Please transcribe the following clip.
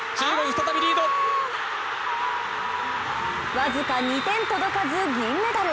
僅か２点届かず、銀メダル。